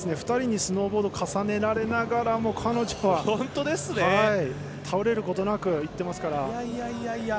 ２人にスノーボード重ねられながらも彼女は倒れることなくいってますから。